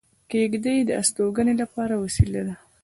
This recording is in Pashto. کېږدۍ د استوګنې لپاره وسیله ده